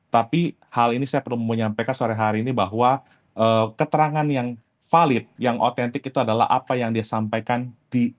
tapi hal ini saya perlu menyampaikan sore hari ini bahwa keterangan yang valid yang otentik itu adalah apa yang disampaikan di persidangan bukan apa yang di bap